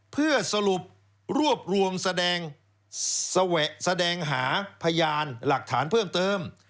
เพื่อสรุปรวบรวมแสดงหาพยานหลักฐานเพิ่มเติม